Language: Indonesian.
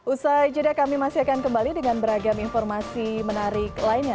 usai jeda kami masih akan kembali dengan beragam informasi menarik lainnya